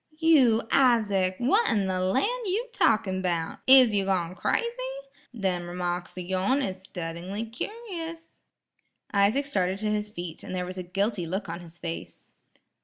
"You, Isaac, wha' in the lan' you talkin' 'bout? Is you gone crazy? Them remarks o' yourn is suttingly cur'ous." Isaac started to his feet, and there was a guilty look on his face.